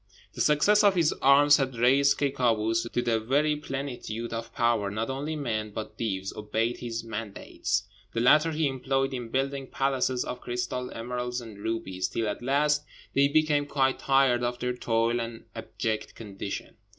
The success of his arms had raised Ky Kâoos to the very plenitude of power; not only men, but Deevs, obeyed his mandates. The latter he employed in building palaces of crystal, emeralds, and rubies, till at last they became quite tired of their toil and abject condition.